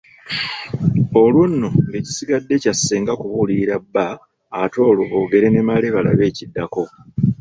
Olwo nno ng'ekisigadde kya ssenga kubuulira bba ate olwo boogere ne Male balabe ekiddako.